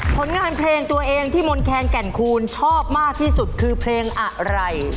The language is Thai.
ผลงานเพลงตัวเองที่มนแคนแก่นคูณชอบมากที่สุดคือเพลงอะไร